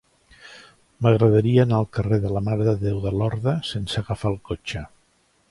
M'agradaria anar al carrer de la Mare de Déu de Lorda sense agafar el cotxe.